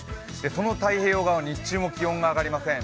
その太平洋側、日中も気温が上がりません。